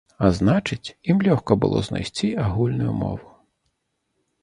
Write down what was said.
А значыць, ім лёгка было знайсці агульную мову.